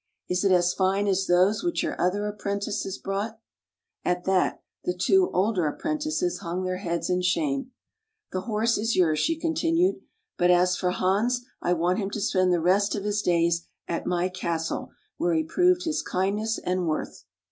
Is it as fine as those which your other apprentices brought?" At that the two older apprentices hung their heads in shame. " The horse is yours," she continued, " but as for Plans, I want him to spend the rest of his days at my castle, where he proved his Idndness and worth."